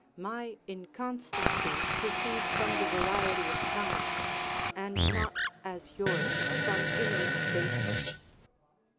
My inconstancy proceeds from the variety of times, and not as yours from innate baseness.